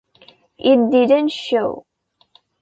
It didn't show.